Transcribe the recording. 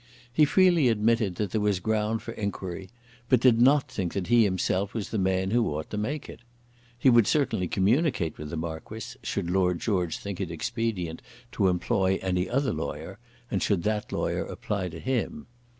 He freely admitted that there was ground for enquiry, but did not think that he himself was the man who ought to make it. He would certainly communicate with the Marquis, should Lord George think it expedient to employ any other lawyer, and should that lawyer apply to him.